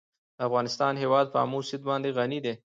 د افغانستان هیواد په آمو سیند باندې غني دی.